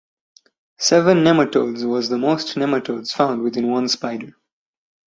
Seven nematodes was the most nematodes found within one spider.